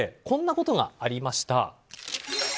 こんなことがありました。